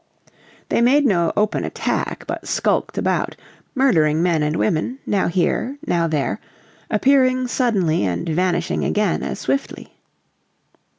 They made no open attack, but skulked about, murdering men and women, now here, now there, appearing suddenly and vanishing again as swiftly.